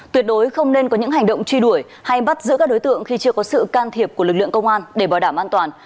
tuyệt đối không nên có những hành động truy đuổi hay bắt giữ các đối tượng khi chưa có sự can thiệp của lực lượng công an để bảo đảm an toàn